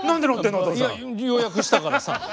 「いや予約したからさ」。